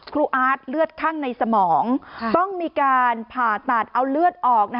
อาร์ตเลือดข้างในสมองต้องมีการผ่าตัดเอาเลือดออก